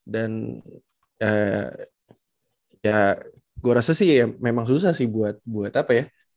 dan ya gue rasa sih memang susah sih buat apa ya